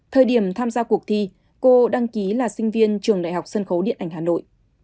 thời điểm tham gia cuộc thi cô đăng ký là sinh viên trường đại học sân khấu điện ảnh hà nội